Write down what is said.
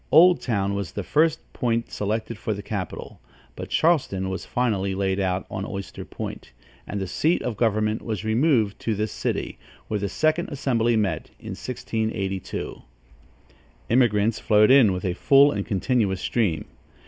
Old Town was the first point selected for the capital; but Charleston was finally laid out on Oyster Point, and the seat of government was removed to this city, where the second assembly met, in 1682. Immigrants flowed in with a full and continuous stream.